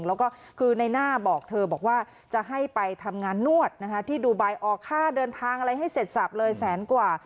แล้วก็คือในหน้าบอกเธอบอกว่าจะให้ไปทำงานนวดที่ดูไบออกค่าเดินทางอะไรให้เสร็จสับเลยแสนกว่า